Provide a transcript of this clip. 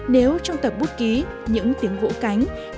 nếu trong tập bút ký những tiếng vỗ cánh